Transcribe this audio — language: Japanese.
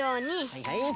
はいはい。